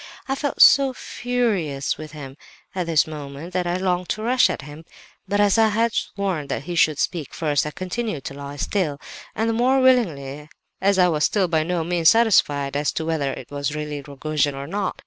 "I felt so furious with him at this moment that I longed to rush at him; but as I had sworn that he should speak first, I continued to lie still—and the more willingly, as I was still by no means satisfied as to whether it really was Rogojin or not.